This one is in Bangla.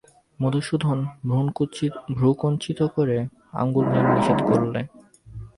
মধুসূদন ভ্রূকুঞ্চিত করে আঙুল নেড়ে নিষেধ করলে।